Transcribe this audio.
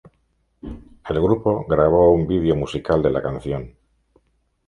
El grupo grabó un vídeo musical de la canción.